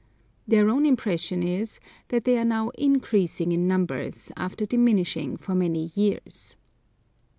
Their own impression is that they are now increasing in numbers after diminishing for many years.